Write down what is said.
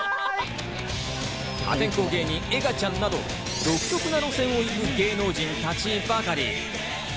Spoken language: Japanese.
破天荒芸人・エガちゃんなど独特な路線を行く芸人たちばかり。